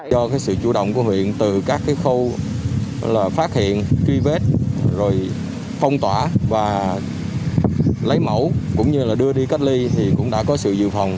do sự chủ động của huyện từ các khâu phát hiện truy vết rồi phong tỏa và lấy mẫu cũng như là đưa đi cách ly thì cũng đã có sự dự phòng